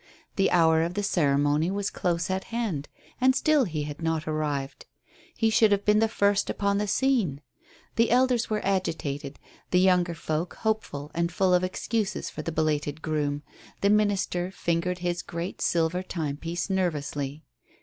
The hour of the ceremony was close at hand and still he had not arrived. He should have been the first upon the scene. The elders were agitated, the younger folk hopeful and full of excuses for the belated groom, the Minister fingered his great silver timepiece nervously.